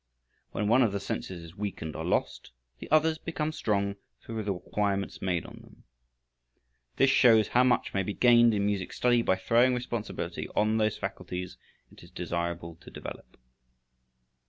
When one of the senses is weakened or lost, the others become strong through the requirements made on them. This shows how much may be gained in music study by throwing responsibility on those faculties it is desirable to develop.